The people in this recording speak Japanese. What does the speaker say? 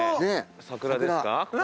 桜ですか？